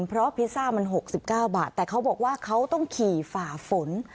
เพราะพิซซ่ามัน๖๙บาทแต่เขาบอกว่าเขาต้องขี่ฝ่าฝน